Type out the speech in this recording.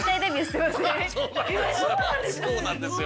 そうなんですか！？